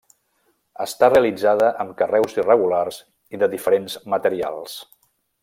Està realitzada amb carreus irregulars i de diferents materials.